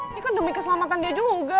ini kan demi keselamatan dia juga